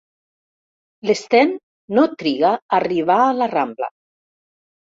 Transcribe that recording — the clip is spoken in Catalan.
L'Sten no triga a arribar a la Rambla.